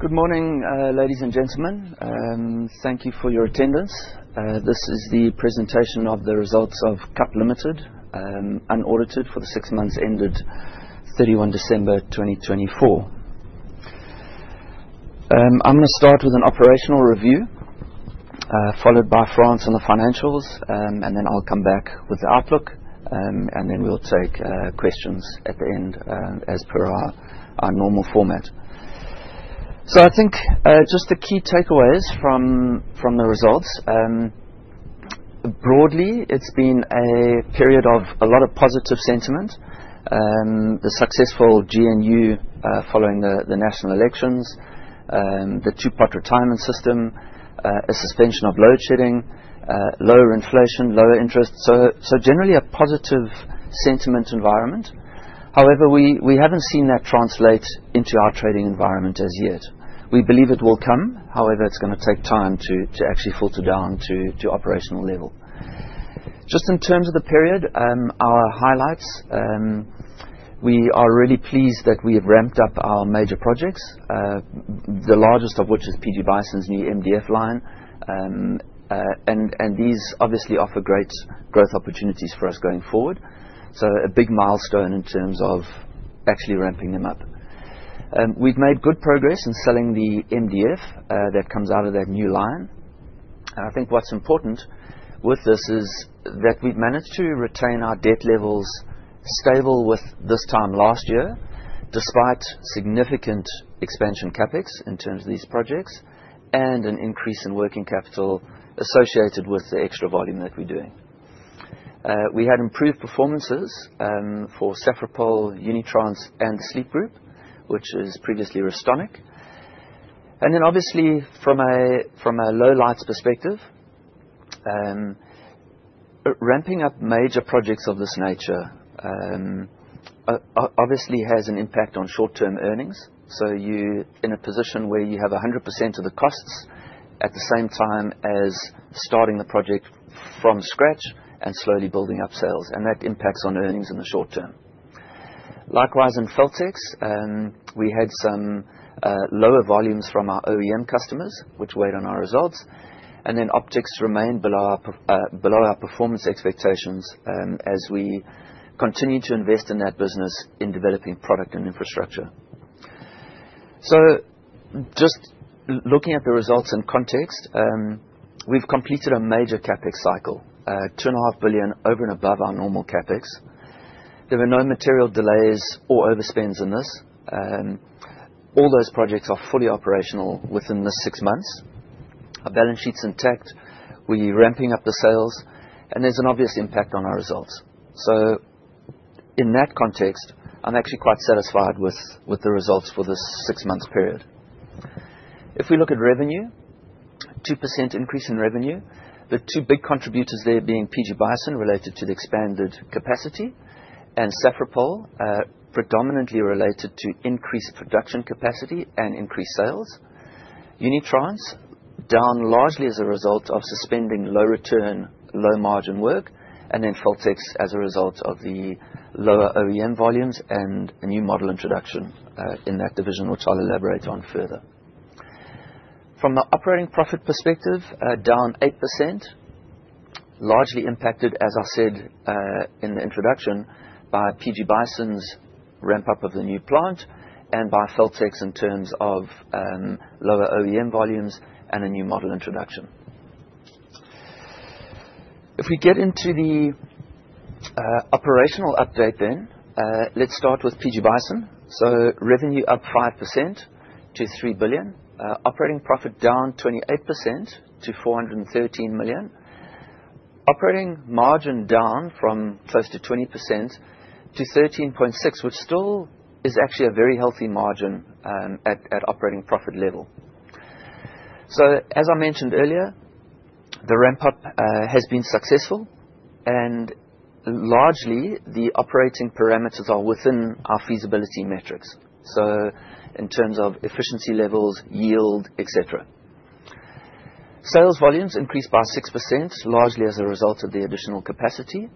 Good morning, ladies and gentlemen. Thank you for your attendance. This is the presentation of the results of KAP Limited, unaudited for the six months ended 31 December 2024. I'm going to start with an operational review, followed by Frans on the financials, and then I'll come back with the outlook, and then we'll take questions at the end as per our normal format. I think just the key takeaways from the results. Broadly, it's been a period of a lot of positive sentiment: the successful GNU following the national elections, the Two-Pot Retirement System, a suspension of load-shedding, lower inflation, lower interest. Generally, a positive sentiment environment. However, we haven't seen that translate into our trading environment as yet. We believe it will come; however, it's going to take time to actually filter down to operational level. Just in terms of the period, our highlights: we are really pleased that we have ramped up our major projects, the largest of which is PG Bison's new MDF line, and these obviously offer great growth opportunities for us going forward. A big milestone in terms of actually ramping them up. We've made good progress in selling the MDF that comes out of that new line. I think what's important with this is that we've managed to retain our debt levels stable with this time last year, despite significant expansion Capex in terms of these projects and an increase in working capital associated with the extra volume that we're doing. We had improved performances for Safripol, Unitrans, and Sleep Group, which is previously Restonic. Obviously, from a low-lights perspective, ramping up major projects of this nature obviously has an impact on short-term earnings. You're in a position where you have 100% of the costs at the same time as starting the project from scratch and slowly building up sales, and that impacts on earnings in the short term. Likewise, in Feltex, we had some lower volumes from our OEM customers, which weighed on our results, and then Optics remained below our performance expectations as we continue to invest in that business in developing product and infrastructure. Just looking at the results in context, we've completed a major CapEx cycle: 2.5 billion over and above our normal CapEx. There were no material delays or overspends in this. All those projects are fully operational within the six months. Our balance sheet's intact. We're ramping up the sales, and there's an obvious impact on our results. In that context, I'm actually quite satisfied with the results for the six-month period. If we look at revenue, a 2% increase in revenue, the two big contributors there being PG Bison related to the expanded capacity and Safripol, predominantly related to increased production capacity and increased sales. Unitrans, down largely as a result of suspending low-return, low-margin work, and then Feltex as a result of the lower OEM volumes and a new model introduction in that division, which I'll elaborate on further. From the operating profit perspective, down 8%, largely impacted, as I said in the introduction, by PG Bison's ramp-up of the new plant and by Feltex in terms of lower OEM volumes and a new model introduction. If we get into the operational update then, let's start with PG Bison. Revenue up 5% to 3 billion. Operating profit down 28% to 413 million. Operating margin down from close to 20%-13.6%, which still is actually a very healthy margin at operating profit level. As I mentioned earlier, the ramp-up has been successful, and largely the operating parameters are within our feasibility metrics. In terms of efficiency levels, yield, etc. Sales volumes increased by 6%, largely as a result of the additional capacity.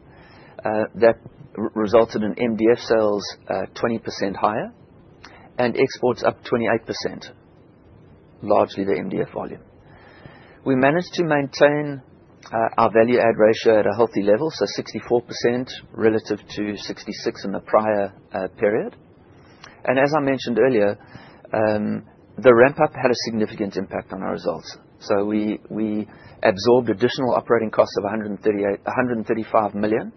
That resulted in MDF sales 20% higher and exports up 28%, largely the MDF volume. We managed to maintain our value-add ratio at a healthy level, 64% relative to 66% in the prior period. As I mentioned earlier, the ramp-up had a significant impact on our results. We absorbed additional operating costs of 135 million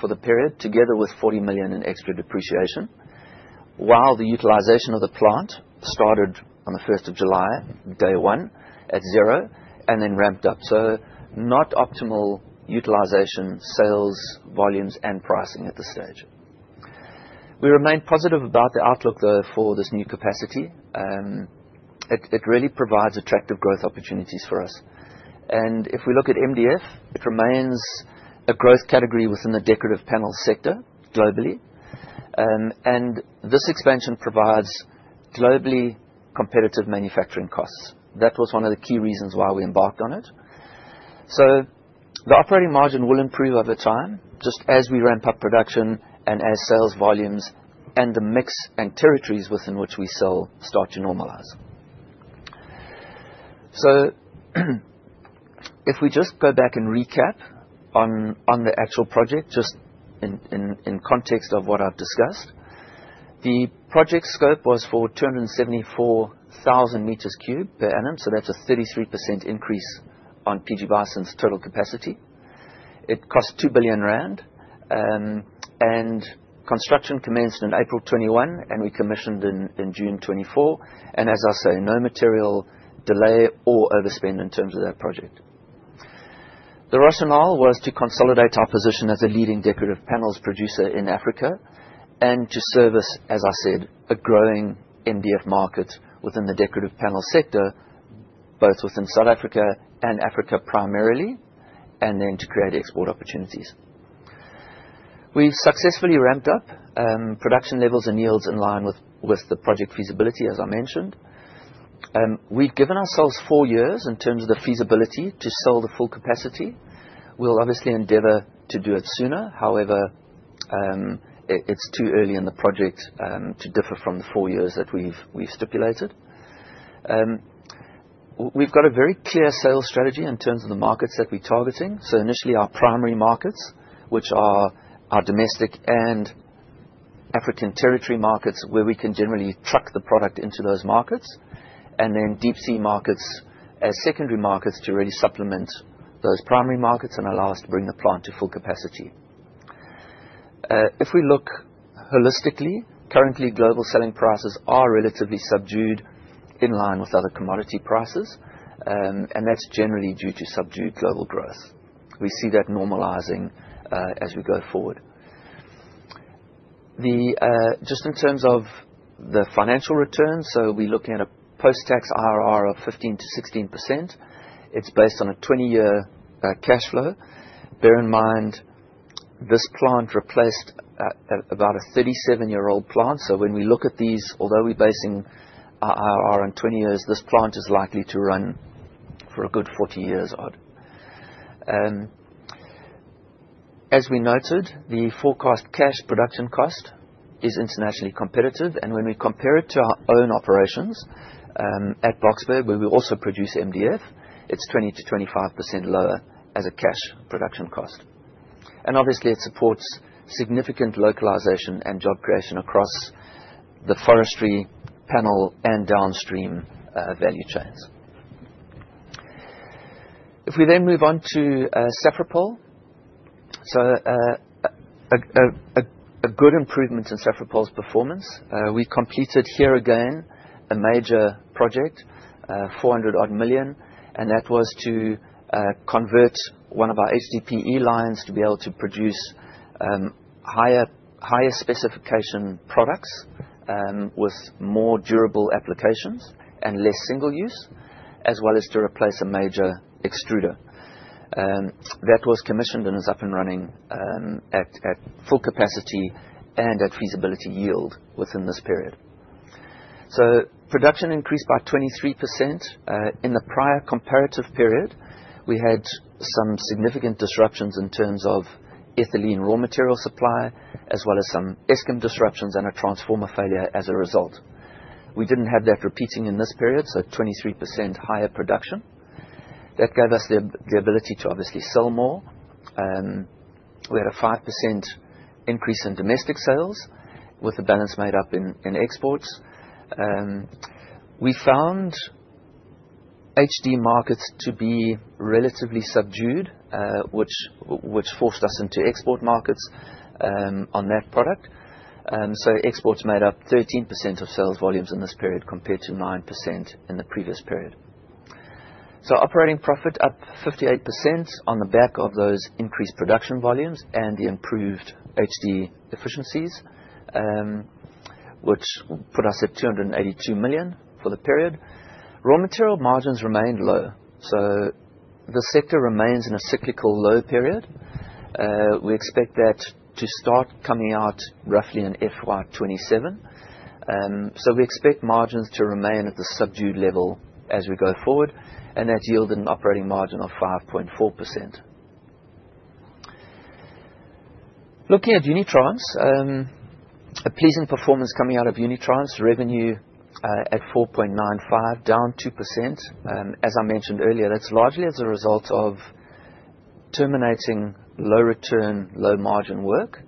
for the period, together with 40 million in extra depreciation, while the utilization of the plant started on the 1st of July, day one, at zero, and then ramped up. Not optimal utilization, sales, volumes, and pricing at this stage. We remain positive about the outlook, though, for this new capacity. It really provides attractive growth opportunities for us. If we look at MDF, it remains a growth category within the decorative panel sector globally, and this expansion provides globally competitive manufacturing costs. That was one of the key reasons why we embarked on it. The operating margin will improve over time just as we ramp up production and as sales volumes and the mix and territories within which we sell start to normalize. If we just go back and recap on the actual project, just in context of what I've discussed, the project scope was for 274,000 meters cubed per annum, so that's a 33% increase on PG Bison's total capacity. It cost 2 billion rand, and construction commenced in April 2021, and we commissioned in June 2024. As I say, no material delay or overspend in terms of that project. The rationale was to consolidate our position as a leading decorative panels producer in Africa and to service, as I said, a growing MDF market within the decorative panel sector, both within South Africa and Africa primarily, and then to create export opportunities. We have successfully ramped up production levels and yields in line with the project feasibility, as I mentioned. We have given ourselves four years in terms of the feasibility to sell the full capacity. We will obviously endeavor to do it sooner; however, it is too early in the project to differ from the four years that we have stipulated. We have a very clear sales strategy in terms of the markets that we are targeting. Initially, our primary markets, which are our domestic and African territory markets, where we can generally truck the product into those markets, and then deep-sea markets as secondary markets to really supplement those primary markets and allow us to bring the plant to full capacity. If we look holistically, currently global selling prices are relatively subdued in line with other commodity prices, and that's generally due to subdued global growth. We see that normalizing as we go forward. Just in terms of the financial return, we're looking at a post-tax IRR of 15%-16%. It's based on a 20-year cash flow. Bear in mind, this plant replaced about a 37-year-old plant, so when we look at these, although we're basing our IRR on 20 years, this plant is likely to run for a good 40 years odd. As we noted, the forecast cash production cost is internationally competitive, and when we compare it to our own operations at Boksburg, where we also produce MDF, it is 20%-25% lower as a cash production cost. It obviously supports significant localization and job creation across the forestry panel and downstream value chains. If we then move on to Safripol, a good improvement in Safripol's performance. We completed here again a major project, 400 million-odd, and that was to convert one of our HDPE lines to be able to produce higher specification products with more durable applications and less single use, as well as to replace a major extruder. That was commissioned and is up and running at full capacity and at feasibility yield within this period. Production increased by 23%. In the prior comparative period, we had some significant disruptions in terms of ethylene raw material supply, as well as some Eskom disruptions and a transformer failure as a result. We did not have that repeating in this period, so 23% higher production. That gave us the ability to obviously sell more. We had a 5% increase in domestic sales with the balance made up in exports. We found HD markets to be relatively subdued, which forced us into export markets on that product. Exports made up 13% of sales volumes in this period compared to 9% in the previous period. Operating profit was up 58% on the back of those increased production volumes and the improved HD efficiencies, which put us at 282 million for the period. Raw material margins remained low, so the sector remains in a cyclical low period. We expect that to start coming out roughly in FY2027. We expect margins to remain at the subdued level as we go forward, and that yielded an operating margin of 5.4%. Looking at Unitrans, a pleasing performance coming out of Unitrans, revenue at 4.95 billion, down 2%. As I mentioned earlier, that is largely as a result of terminating low-return, low-margin work.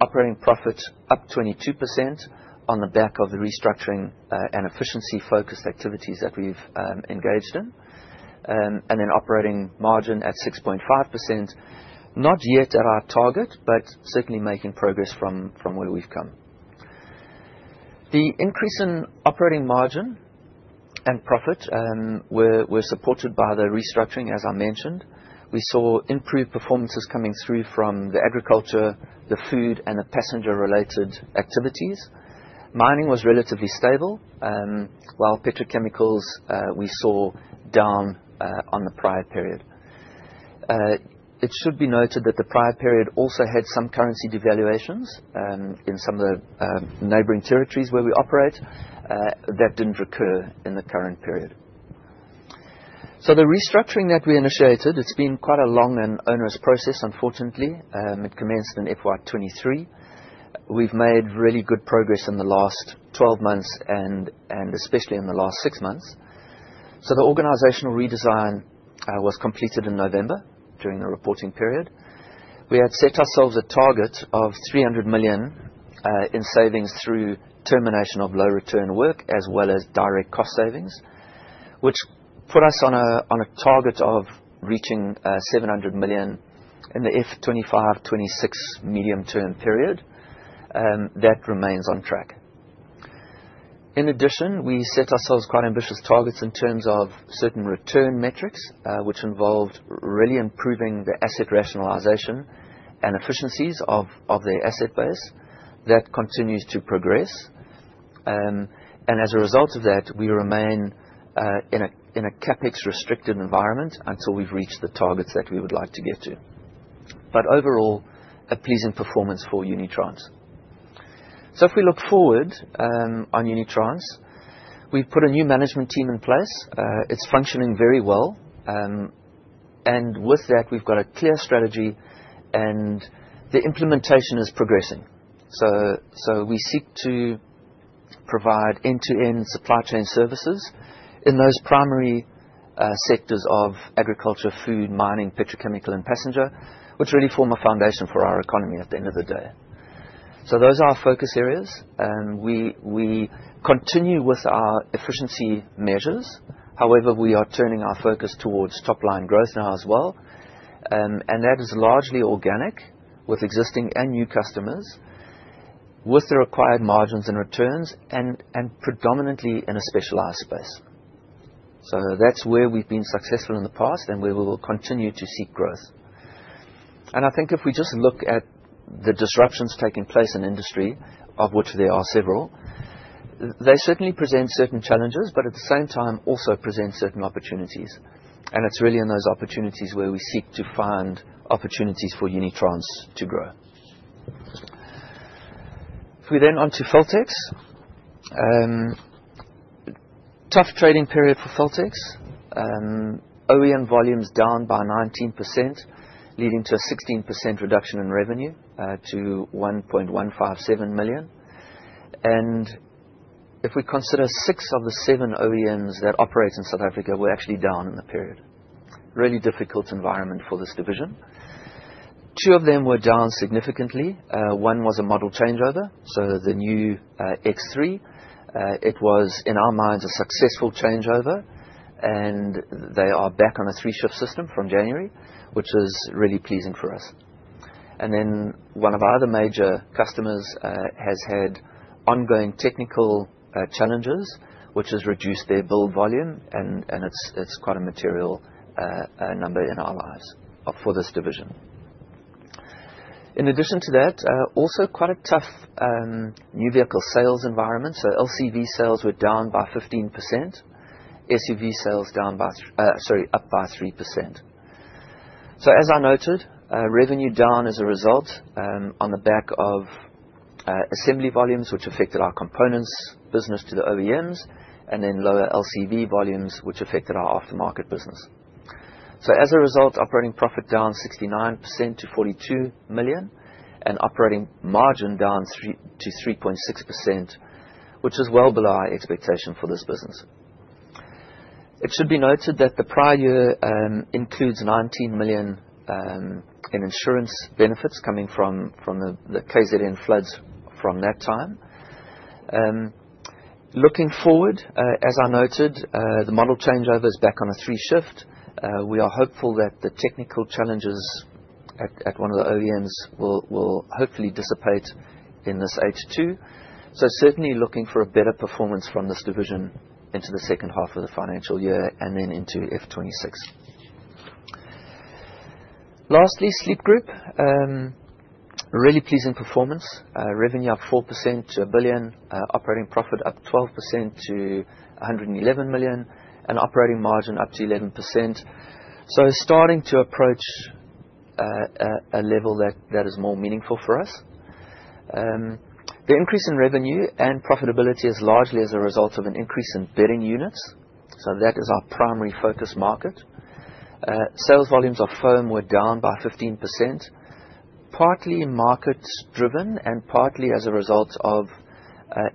Operating profit up 22% on the back of the restructuring and efficiency-focused activities that we have engaged in, and then operating margin at 6.5%, not yet at our target, but certainly making progress from where we have come. The increase in operating margin and profit were supported by the restructuring, as I mentioned. We saw improved performances coming through from the agriculture, the food, and the passenger-related activities. Mining was relatively stable, while petrochemicals we saw down on the prior period. It should be noted that the prior period also had some currency devaluations in some of the neighboring territories where we operate. That did not recur in the current period. The restructuring that we initiated, it has been quite a long and onerous process, unfortunately. It commenced in FY2023. We have made really good progress in the last 12 months and especially in the last six months. The organizational redesign was completed in November during the reporting period. We had set ourselves a target of 300 million in savings through termination of low-return work as well as direct cost savings, which put us on a target of reaching 700 million in the FY2025-2026 medium-term period. That remains on track. In addition, we set ourselves quite ambitious targets in terms of certain return metrics, which involved really improving the asset rationalization and efficiencies of the asset base. That continues to progress. As a result of that, we remain in a capex-restricted environment until we've reached the targets that we would like to get to. Overall, a pleasing performance for Unitrans. If we look forward on Unitrans, we've put a new management team in place. It's functioning very well. With that, we've got a clear strategy, and the implementation is progressing. We seek to provide end-to-end supply chain services in those primary sectors of agriculture, food, mining, petrochemical, and passenger, which really form a foundation for our economy at the end of the day. Those are our focus areas. We continue with our efficiency measures. However, we are turning our focus towards top-line growth now as well. That is largely organic with existing and new customers, with the required margins and returns, and predominantly in a specialized space. That is where we have been successful in the past and where we will continue to seek growth. I think if we just look at the disruptions taking place in industry, of which there are several, they certainly present certain challenges, but at the same time also present certain opportunities. It is really in those opportunities where we seek to find opportunities for Unitrans to grow. If we then move on to Feltex, it was a tough trading period for Feltex. OEM volumes were down by 19%, leading to a 16% reduction in revenue to 1.157 million. If we consider six of the seven OEMs that operate in South Africa, they were actually down in the period. It was a really difficult environment for this division. Two of them were down significantly. One was a model changeover, so the new X3. It was, in our minds, a successful changeover, and they are back on a three-shift system from January, which is really pleasing for us. One of our other major customers has had ongoing technical challenges, which has reduced their build volume, and it is quite a material number in our lives for this division. In addition to that, also quite a tough new vehicle sales environment. LCV sales were down by 15%. SUV sales up by 3%. As I noted, revenue down as a result on the back of assembly volumes, which affected our components business to the OEMs, and then lower LCV volumes, which affected our aftermarket business. As a result, operating profit down 69% to 42 million and operating margin down to 3.6%, which is well below our expectation for this business. It should be noted that the prior year includes 19 million in insurance benefits coming from the KwaZulu-Natal floods from that time. Looking forward, as I noted, the model changeover is back on a three-shift. We are hopeful that the technical challenges at one of the OEMs will hopefully dissipate in this H2. Certainly looking for a better performance from this division into the second half of the financial year and then into F2026. Lastly, Sleep Group, really pleasing performance. Revenue up 4% to 1 billion, operating profit up 12% to 111 million, and operating margin up to 11%. Starting to approach a level that is more meaningful for us. The increase in revenue and profitability is largely as a result of an increase in bedding units. That is our primary focus market. Sales volumes of foam were down by 15%, partly market-driven and partly as a result of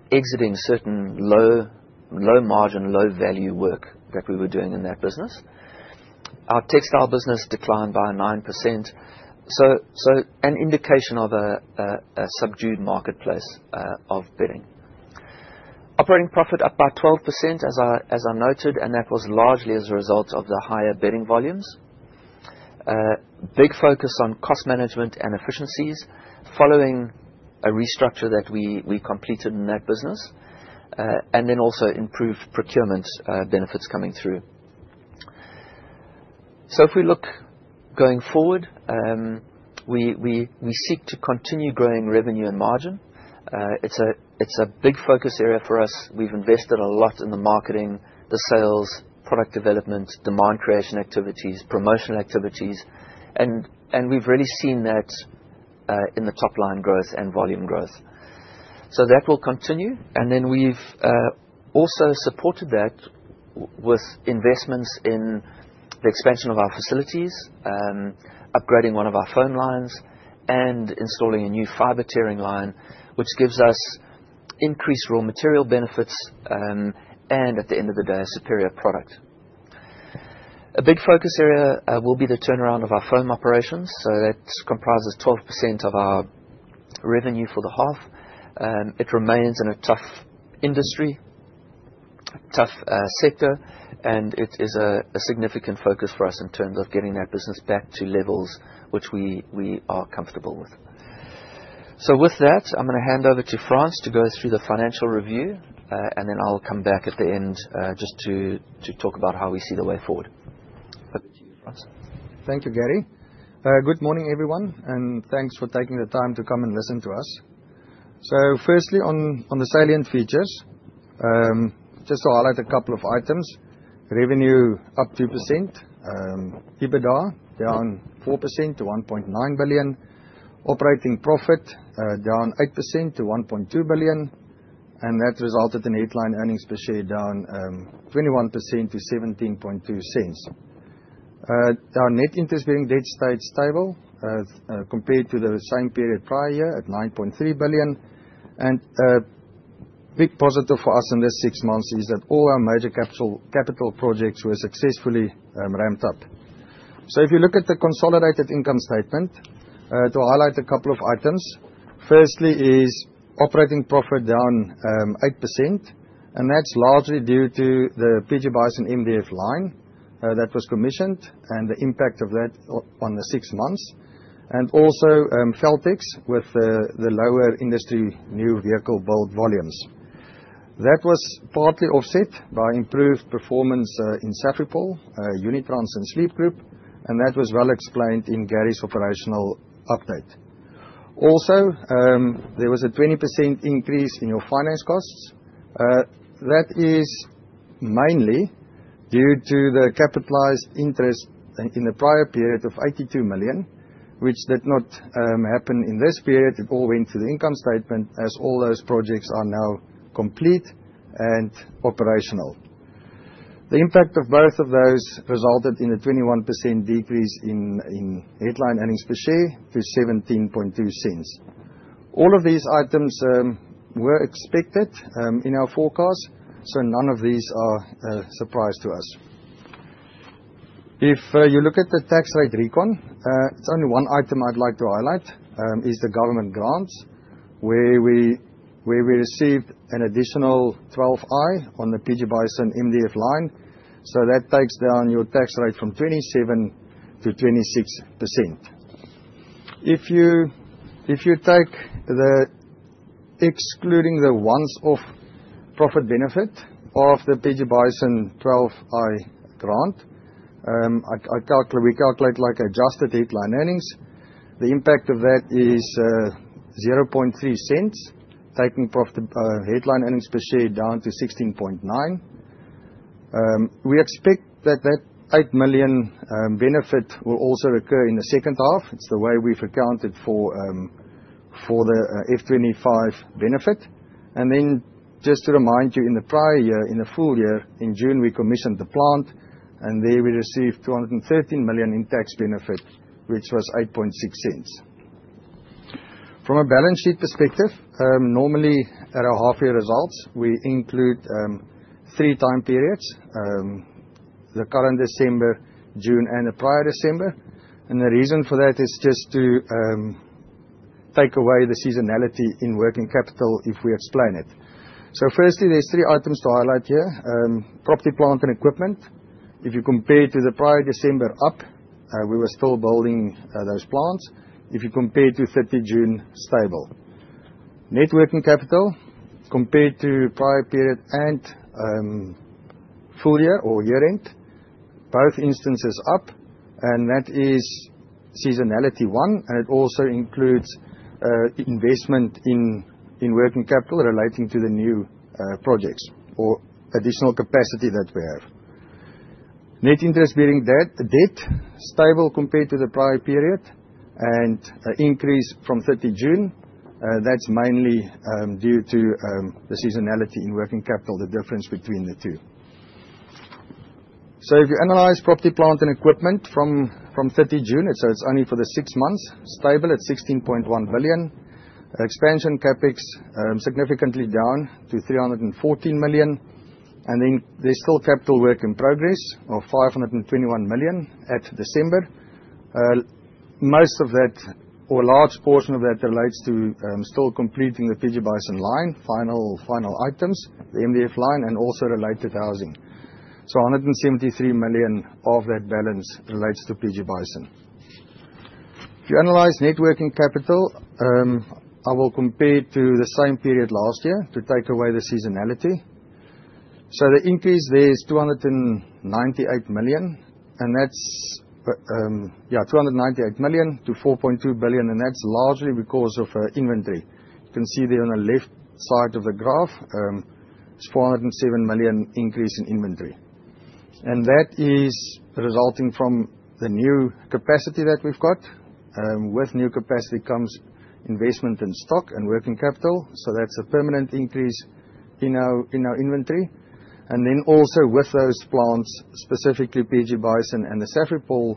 exiting certain low-margin, low-value work that we were doing in that business. Our textile business declined by 9%, so an indication of a subdued marketplace of bedding. Operating profit up by 12%, as I noted, and that was largely as a result of the higher bedding volumes. Big focus on cost management and efficiencies following a restructure that we completed in that business, and then also improved procurement benefits coming through. If we look going forward, we seek to continue growing revenue and margin. It's a big focus area for us. We've invested a lot in the marketing, the sales, product development, demand creation activities, promotional activities, and we've really seen that in the top-line growth and volume growth. That will continue, and then we've also supported that with investments in the expansion of our facilities, upgrading one of our foam lines, and installing a new fiber tearing line, which gives us increased raw material benefits and, at the end of the day, a superior product. A big focus area will be the turnaround of our foam operations, so that comprises 12% of our revenue for the half. It remains in a tough industry, tough sector, and it is a significant focus for us in terms of getting that business back to levels which we are comfortable with. With that, I'm going to hand over to Frans to go through the financial review, and then I'll come back at the end just to talk about how we see the way forward. Over to you, Frans. Thank you, Gary. Good morning, everyone, and thanks for taking the time to come and listen to us. Firstly, on the salient features, just to highlight a couple of items: revenue up 2%, EBITDA down 4% to 1.9 billion, operating profit down 8% to 1.2 billion, and that resulted in headline earnings per share down 21% to 0.172. Our net interest-bearing debt stayed stable compared to the same period prior year at 9.3 billion, and a big positive for us in these six months is that all our major capital projects were successfully ramped up. If you look at the consolidated income statement, to highlight a couple of items, firstly is operating profit down 8%, and that's largely due to the PG Bison MDF line that was commissioned and the impact of that on the six months, and also FELTEX with the lower industry new vehicle build volumes. That was partly offset by improved performance in Safripol, Unitrans, and Sleep Group, and that was well explained in Gary's operational update. Also, there was a 20% increase in your finance costs. That is mainly due to the capitalized interest in the prior period of 82 million, which did not happen in this period. It all went to the income statement as all those projects are now complete and operational. The impact of both of those resulted in a 21% decrease in headline earnings per share to 17.2 cents. All of these items were expected in our forecast, so none of these are a surprise to us. If you look at the tax rate recon, it's only one item I'd like to highlight, is the government grants where we received an additional 12I on the PG Bison MDF line. That takes down your tax rate from 27%-26%. If you take the excluding the once-off profit benefit of the PG Bison 12I grant, we calculate like adjusted headline earnings. The impact of that is 0.3 cents, taking profit headline earnings per share down to 16.9. We expect that that 8 million benefit will also occur in the second half. It's the way we've accounted for the F25 benefit. Just to remind you, in the prior year, in the full year, in June, we commissioned the plant, and there we received 213 million in tax benefit, which was 0.086. From a balance sheet perspective, normally at our half-year results, we include three time periods: the current December, June, and the prior December. The reason for that is just to take away the seasonality in working capital if we explain it. Firstly, there are three items to highlight here: property, plant, and equipment. If you compare to the prior December, we were still building those plants. If you compare to 30th June, stable. Net working capital compared to prior period and full year or year-end, both instances up, and that is seasonality one, and it also includes investment in working capital relating to the new projects or additional capacity that we have. Net interest-bearing debt, stable compared to the prior period and increase from 30 June. That is mainly due to the seasonality in working capital, the difference between the two. If you analyze property, plant, and equipment from 30 June, it is only for the six months, stable at 16.1 billion. Expansion CapEx significantly down to 314 million. There is still capital work in progress of 521 million at December. Most of that, or a large portion of that, relates to still completing the PG Bison line, final items, the MDF line, and also related housing. 173 million of that balance relates to PG Bison. If you analyze net working capital, I will compare to the same period last year to take away the seasonality. The increase there is 298 million, and that is, yeah, 298 million to 4.2 billion, and that is largely because of inventory. You can see there on the left side of the graph, it's 407 million increase in inventory. That is resulting from the new capacity that we've got. With new capacity comes investment in stock and working capital, so that's a permanent increase in our inventory. Also, with those plants, specifically PG Bison and the Safripol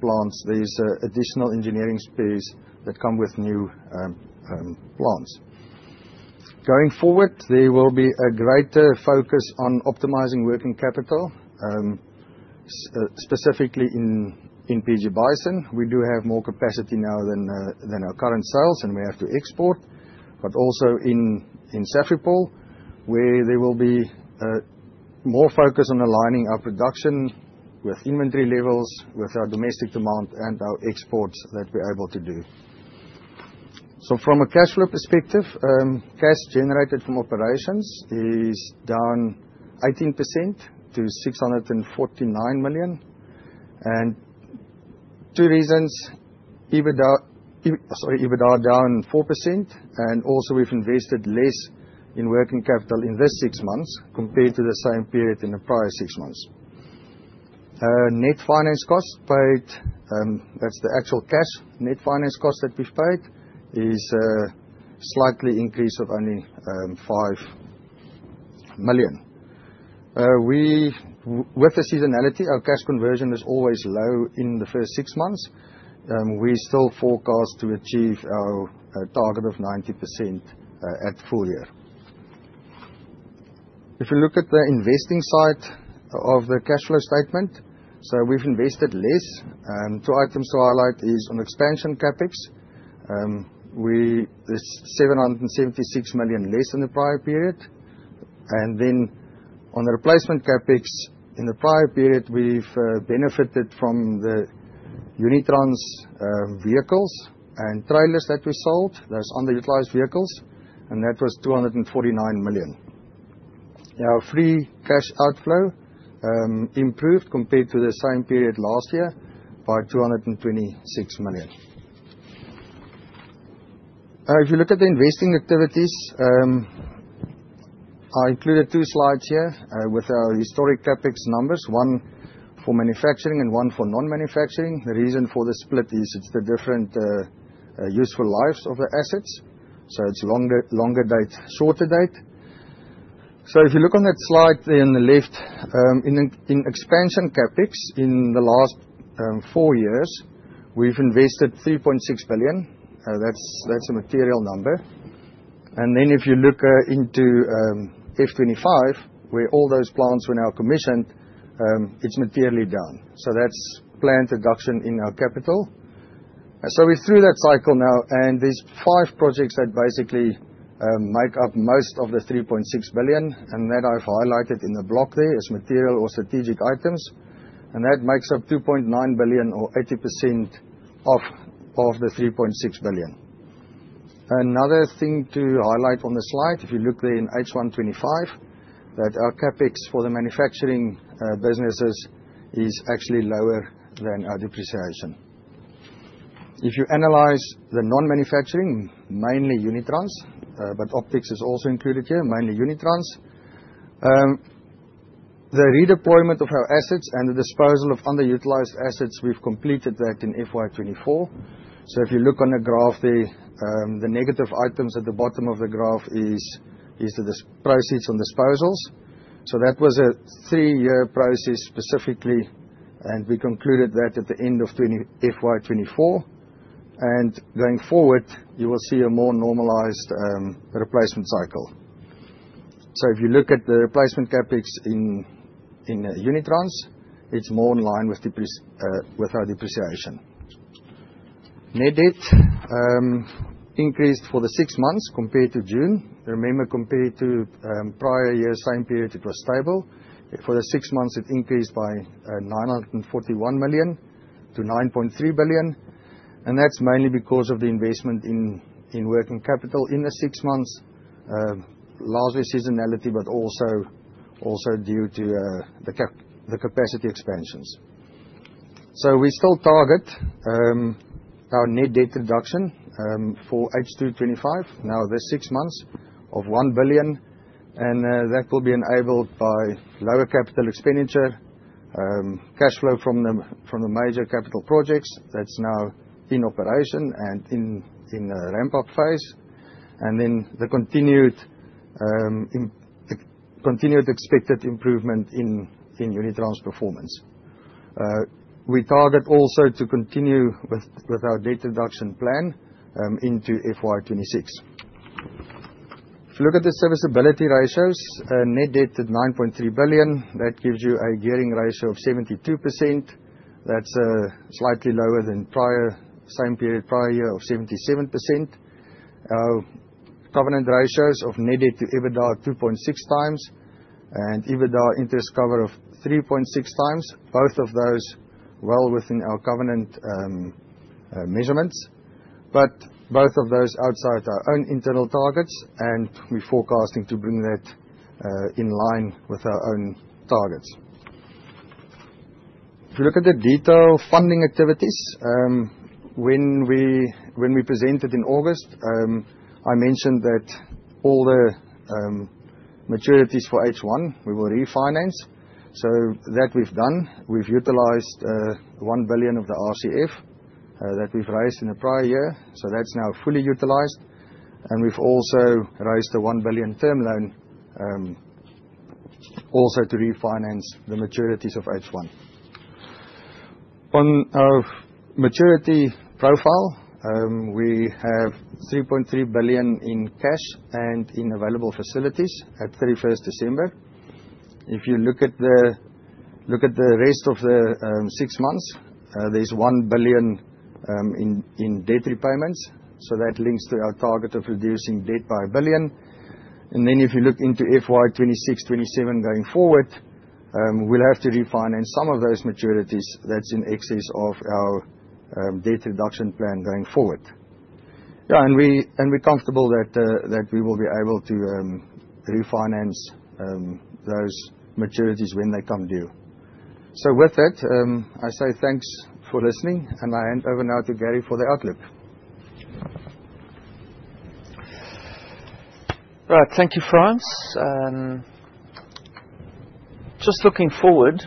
plants, there's additional engineering space that comes with new plants. Going forward, there will be a greater focus on optimizing working capital, specifically in PG Bison. We do have more capacity now than our current sales, and we have to export, but also in Safripol, where there will be more focus on aligning our production with inventory levels, with our domestic demand, and our exports that we're able to do. From a cash flow perspective, cash generated from operations is down 18% to 649 million. Two reasons, EBITDA down 4%, and also we've invested less in working capital in these six months compared to the same period in the prior six months. Net finance cost paid, that's the actual cash net finance cost that we've paid, is a slight increase of only 5 million. With the seasonality, our cash conversion is always low in the first six months. We still forecast to achieve our target of 90% at full year. If you look at the investing side of the cash flow statement, we've invested less. Two items to highlight are on expansion capex. There's 776 million less than in the prior period. On the replacement capex in the prior period, we've benefited from the Unitrans vehicles and trailers that we sold, those underutilized vehicles, and that was 249 million. Our free cash outflow improved compared to the same period last year by 226 million. If you look at the investing activities, I included two slides here with our historic CapEx numbers, one for manufacturing and one for non-manufacturing. The reason for the split is it's the different useful lives of the assets, so it's longer date, shorter date. If you look on that slide there on the left, in expansion CapEx in the last four years, we've invested 3.6 billion. That's a material number. If you look into F2025, where all those plants were now commissioned, it's materially down. That's plant reduction in our capital. We're through that cycle now, and there are five projects that basically make up most of the 3.6 billion, and that I've highlighted in the block there as material or strategic items, and that makes up 2.9 billion or 80% of the 3.6 billion. Another thing to highlight on the slide, if you look there in H125, is that our CapEx for the manufacturing businesses is actually lower than our depreciation. If you analyze the non-manufacturing, mainly Unitrans, but Optics is also included here, mainly Unitrans. The redeployment of our assets and the disposal of underutilized assets, we've completed that in FY2024. If you look on the graph there, the negative items at the bottom of the graph are the process on disposals. That was a three-year process specifically, and we concluded that at the end of FY2024. Going forward, you will see a more normalized replacement cycle. If you look at the replacement CapEx in Unitrans, it is more in line with our depreciation. Net debt increased for the six months compared to June. Remember, compared to prior year, same period, it was stable. For the six months, it increased by 941 million to 9.3 billion, and that is mainly because of the investment in working capital in the six months, largely seasonality, but also due to the capacity expansions. We still target our net debt reduction for H2 2025 now, the six months of 1 billion, and that will be enabled by lower capital expenditure, cash flow from the major capital projects that are now in operation and in the ramp-up phase, and then the continued expected improvement in Unitrans performance. We target also to continue with our debt reduction plan into FY2026. If you look at the serviceability ratios, net debt at 9.3 billion, that gives you a gearing ratio of 72%. That's slightly lower than prior, same period, prior year of 77%. Covenant ratios of net debt to EBITDA are 2.6 times, and EBITDA interest cover of 3.6 times. Both of those well within our covenant measurements, but both of those outside our own internal targets, and we're forecasting to bring that in line with our own targets. If you look at the detail funding activities, when we presented in August, I mentioned that all the maturities for H1 we will refinance. That we've done. We've utilized 1 billion of the RCF that we've raised in the prior year, so that's now fully utilized. We've also raised a 1 billion term loan also to refinance the maturities of H1. On our maturity profile, we have 3.3 billion in cash and in available facilities at 31st December. If you look at the rest of the six months, there's 1 billion in debt repayments, so that links to our target of reducing debt by a billion. If you look into FY2026, FY2027 going forward, we'll have to refinance some of those maturities. That's in excess of our debt reduction plan going forward. Yeah, we're comfortable that we will be able to refinance those maturities when they come due. With that, I say thanks for listening, and I hand over now to Gary for the outlook. All right, thank you, Frans. Just looking forward,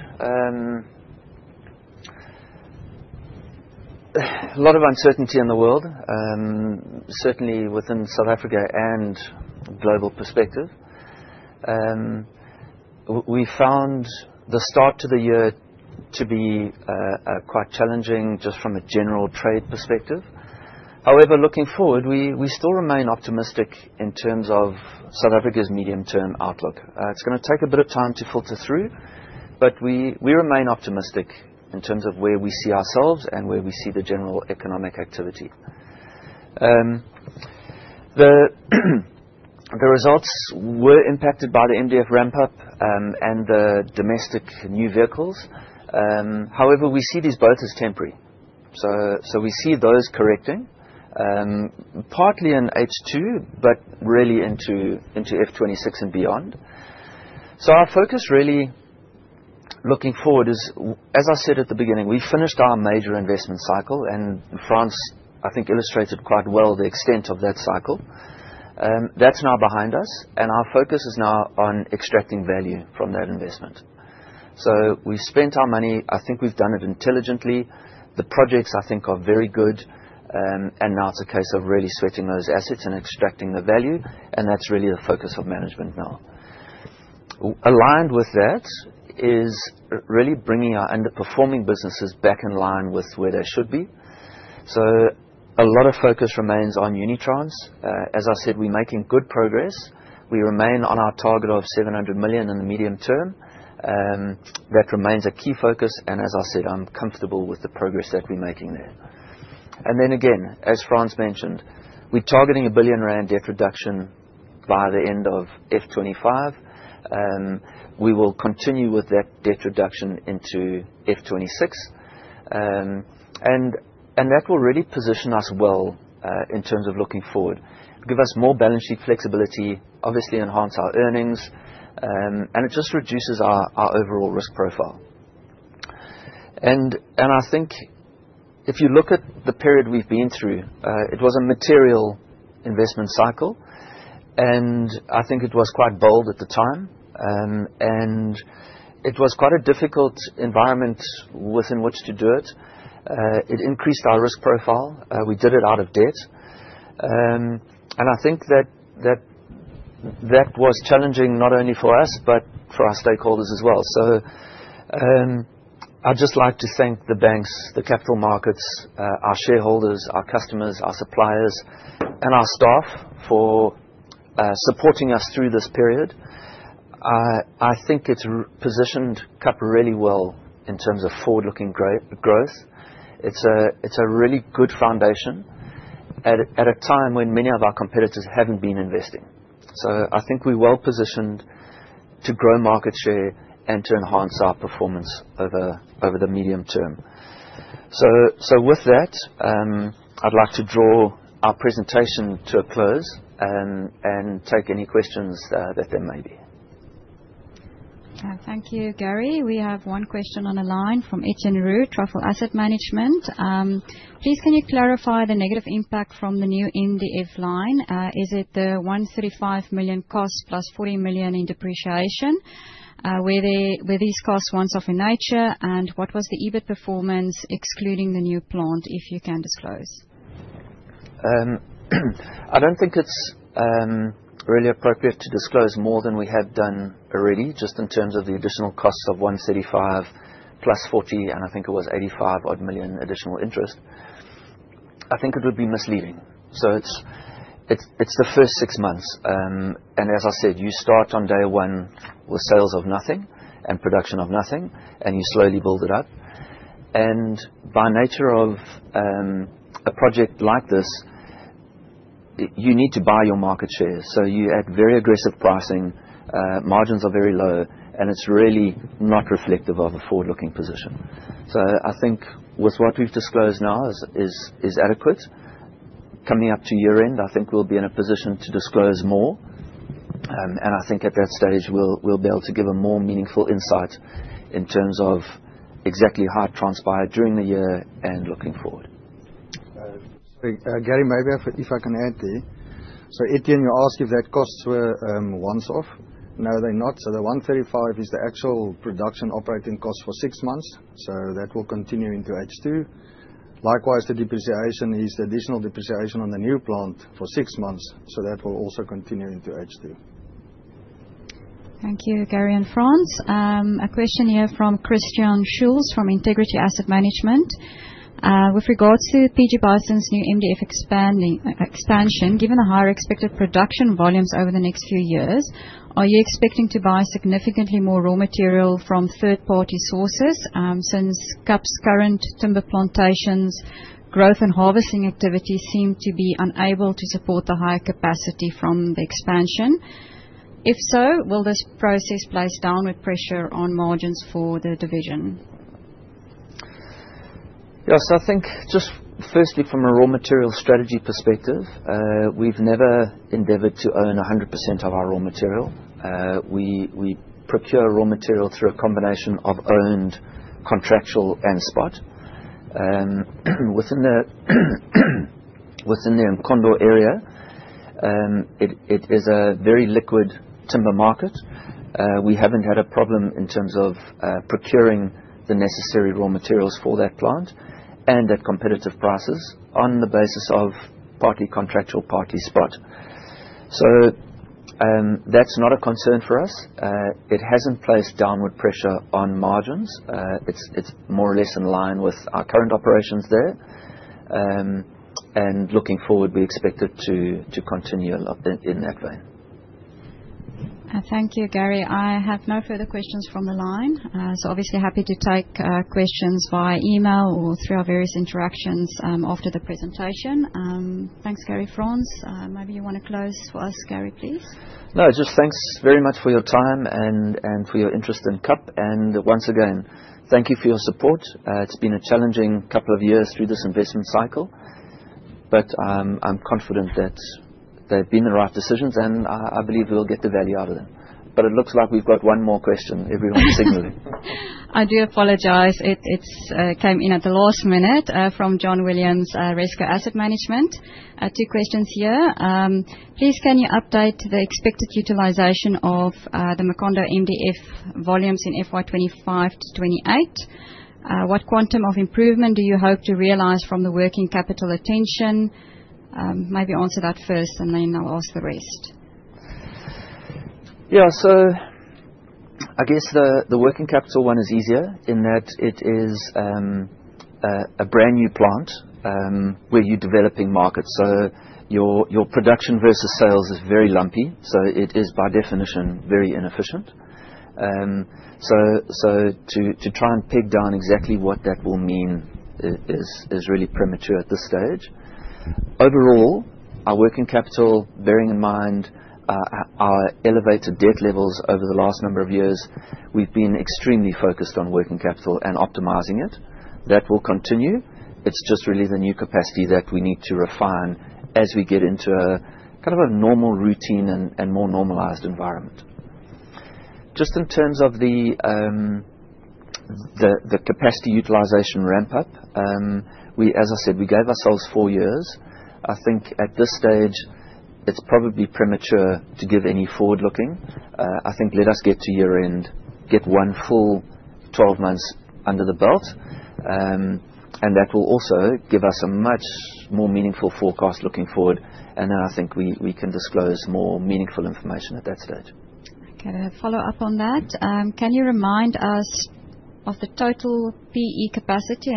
a lot of uncertainty in the world, certainly within South Africa and global perspective. We found the start to the year to be quite challenging just from a general trade perspective. However, looking forward, we still remain optimistic in terms of South Africa's medium-term outlook. It's going to take a bit of time to filter through, but we remain optimistic in terms of where we see ourselves and where we see the general economic activity. The results were impacted by the MDF ramp-up and the domestic new vehicles. However, we see these both as temporary. We see those correcting, partly in H2, but really into F2026 and beyond. Our focus really looking forward is, as I said at the beginning, we finished our major investment cycle, and Frans, I think, illustrated quite well the extent of that cycle. That's now behind us, and our focus is now on extracting value from that investment. We spent our money. I think we've done it intelligently. The projects, I think, are very good, and now it's a case of really sweating those assets and extracting the value, and that's really the focus of management now. Aligned with that is really bringing our underperforming businesses back in line with where they should be. A lot of focus remains on Unitrans. As I said, we're making good progress. We remain on our target of 700 million in the medium term. That remains a key focus, and as I said, I'm comfortable with the progress that we're making there. As Frans mentioned, we're targeting a 1 billion rand debt reduction by the end of F2025. We will continue with that debt reduction into F2026, and that will really position us well in terms of looking forward. It gives us more balance sheet flexibility, obviously enhances our earnings, and it just reduces our overall risk profile. If you look at the period we've been through, it was a material investment cycle, and I think it was quite bold at the time, and it was quite a difficult environment within which to do it. It increased our risk profile. We did it out of debt, and I think that that was challenging not only for us, but for our stakeholders as well. I'd just like to thank the banks, the capital markets, our shareholders, our customers, our suppliers, and our staff for supporting us through this period. I think it's positioned KAP really well in terms of forward-looking growth. It's a really good foundation at a time when many of our competitors haven't been investing. I think we're well positioned to grow market share and to enhance our performance over the medium term. With that, I'd like to draw our presentation to a close and take any questions that there may be. Thank you, Gary. We have one question on the line from Etienne Roux, Truffle Asset Management. Please, can you clarify the negative impact from the new MDF line? Is it the 135 million cost plus 40 million in depreciation? Were these costs once-off in nature, and what was the EBIT performance excluding the new plant, if you can disclose? I don't think it's really appropriate to disclose more than we had done already, just in terms of the additional costs of 135 million plus 40 million, and I think it was 85-odd million additional interest. I think it would be misleading. It is the first six months, and as I said, you start on day one with sales of nothing and production of nothing, and you slowly build it up. By nature of a project like this, you need to buy your market share. You add very aggressive pricing, margins are very low, and it's really not reflective of a forward-looking position. I think with what we've disclosed now is adequate. Coming up to year-end, I think we'll be in a position to disclose more, and I think at that stage, we'll be able to give a more meaningful insight in terms of exactly how it transpired during the year and looking forward. Sorry, Gary, maybe if I can add there. Etienne asked if that costs were once-off. No, they're not. The 135 is the actual production operating cost for six months, so that will continue into H2. Likewise, the depreciation is the additional depreciation on the new plant for six months, so that will also continue into H2. Thank you, Gary and Frans. A question here from Christian Schulz from Integrity Asset Management. With regards to PG Bison's new MDF expansion, given the higher expected production volumes over the next few years, are you expecting to buy significantly more raw material from third-party sources since KAP's current timber plantations' growth and harvesting activity seem to be unable to support the higher capacity from the expansion? If so, will this process place downward pressure on margins for the division? Yes, I think just firstly, from a raw material strategy perspective, we've never endeavored to own 100% of our raw material. We procure raw material through a combination of owned, contractual, and spot. Within the Mkhondo area, it is a very liquid timber market. We haven't had a problem in terms of procuring the necessary raw materials for that plant and at competitive prices on the basis of partly contractual, partly spot. That is not a concern for us. It hasn't placed downward pressure on margins. It is more or less in line with our current operations there, and looking forward, we expect it to continue in that vein. Thank you, Gary. I have no further questions from the line. Obviously, happy to take questions via email or through our various interactions after the presentation. Thanks, Gary. Frans, maybe you want to close for us, Gary, please? No, just thanks very much for your time and for your interest in KAP. Once again, thank you for your support. It's been a challenging couple of years through this investment cycle, but I'm confident that they've been the right decisions, and I believe we'll get the value out of them. It looks like we've got one more question everyone's signaling. I do apologize. It came in at the last minute from John Williams, Rezco Asset Management. Two questions here. Please, can you update the expected utilization of the Mkhondo MDF volumes in FY2025 to 2028? What quantum of improvement do you hope to realize from the working capital attention? Maybe answer that first, and then I'll ask the rest. Yeah, I guess the working capital one is easier in that it is a brand new plant where you're developing markets. Your production versus sales is very lumpy, so it is by definition very inefficient. To try and peg down exactly what that will mean is really premature at this stage. Overall, our working capital, bearing in mind our elevated debt levels over the last number of years, we've been extremely focused on working capital and optimizing it. That will continue. It's just really the new capacity that we need to refine as we get into a kind of a normal routine and more normalized environment. Just in terms of the capacity utilization ramp-up, as I said, we gave ourselves four years. I think at this stage, it's probably premature to give any forward-looking. I think let us get to year-end, get one full 12 months under the belt, and that will also give us a much more meaningful forecast looking forward. I think we can disclose more meaningful information at that stage. Okay, follow up on that. Can you remind us of the total PE capacity,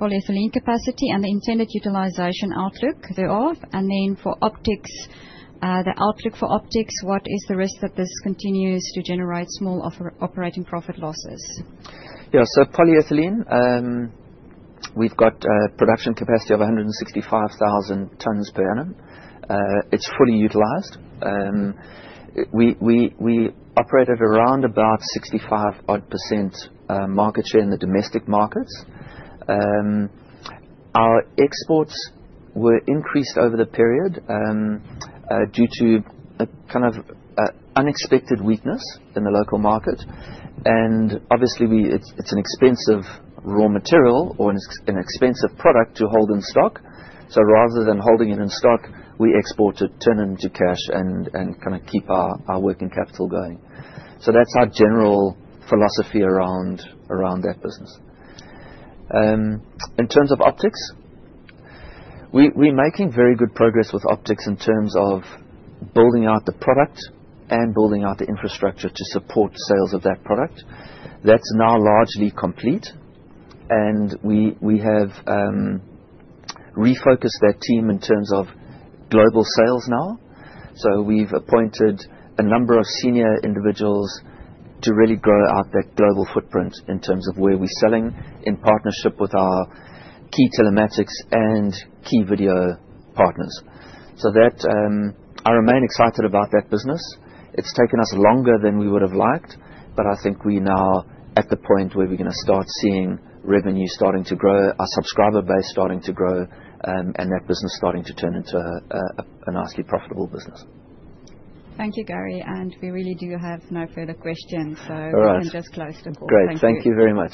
polyethylene capacity, and the intended utilization outlook thereof? For Optics, the outlook for Optics, what is the risk that this continues to generate small operating profit losses? Yeah, so polyethylene, we've got a production capacity of 165,000 tons per annum. It's fully utilized. We operated around about 65% market share in the domestic markets. Our exports were increased over the period due to a kind of unexpected weakness in the local market. Obviously, it's an expensive raw material or an expensive product to hold in stock. Rather than holding it in stock, we export to turn into cash and kind of keep our working capital going. That's our general philosophy around that business. In terms of Optics, we're making very good progress with Optics in terms of building out the product and building out the infrastructure to support sales of that product. That's now largely complete, and we have refocused that team in terms of global sales now. We have appointed a number of senior individuals to really grow out that global footprint in terms of where we are selling in partnership with our key telematics and key video partners. I remain excited about that business. It has taken us longer than we would have liked, but I think we are now at the point where we are going to start seeing revenue starting to grow, our subscriber base starting to grow, and that business starting to turn into a nicely profitable business. Thank you, Gary, and we really do have no further questions. All right. We can just close the call. Great. Thank you very much.